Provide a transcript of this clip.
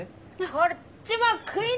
こっちも食いな！